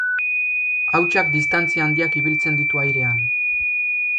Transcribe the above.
Hautsak distantzia handiak ibiltzen ditu airean.